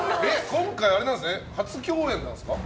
今回、初共演なんですか？